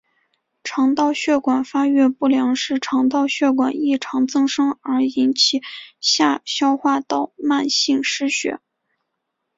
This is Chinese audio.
肠道血管发育不良是肠道血管异常增生而引起下消化道慢性失血。